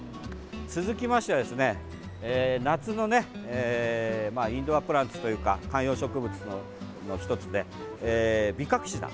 続きましてはですね、夏のねインドアプランツというか観葉植物の１つで、ビカクシダ。